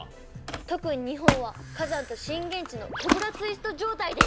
特に日本は火山と震源地のコブラツイスト状態です。